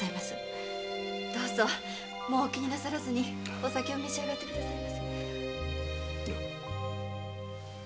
どうぞお気になさらずにお酒を召し上がってください。